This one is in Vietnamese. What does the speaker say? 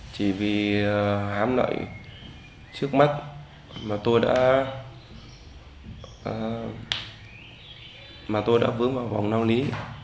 chỉ vì hám lợi trước mắt mà tôi đã vướng vào vòng nao lý